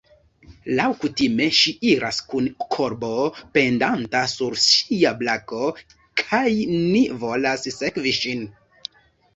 Laŭkutime ŝi iras kun korbo pendanta sur ŝia brako, kai ni volas sekvi ŝin.